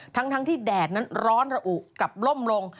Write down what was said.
ทั้งที่แดดนั้นร้อนระอุกลับล่มลง